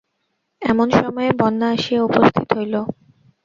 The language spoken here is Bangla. এমন সময়ে বন্যা আসিয়া উপস্থিত হইল।